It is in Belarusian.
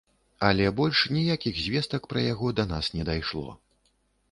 Але больш ніякіх звестак пра яго да нас не дайшло.